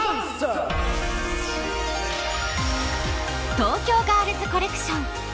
東京ガールズコレクション